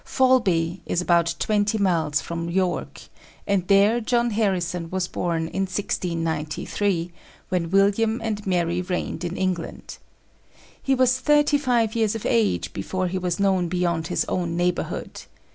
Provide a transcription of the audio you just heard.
Faulby is about twenty miles from York, and there John Harrison was born in 1693, when William and Mary reigned in England. He was thirty five years of age before he was known beyond his own neighborhood.